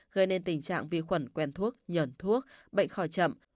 gây nên tình trạng vi khuẩn quen thuốc nhờn thuốc bệnh khỏi trầm